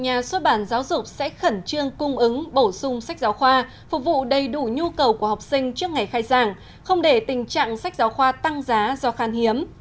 nhà xuất bản giáo dục sẽ khẩn trương cung ứng bổ sung sách giáo khoa phục vụ đầy đủ nhu cầu của học sinh trước ngày khai giảng không để tình trạng sách giáo khoa tăng giá do khan hiếm